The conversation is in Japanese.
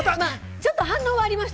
ちょっと反応はありました。